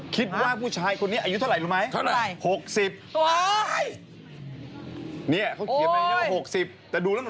คิดว่าผู้ชายคนนี้อายุเท่าไหร่